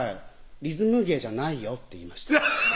「リズム芸じゃないよ」って言いました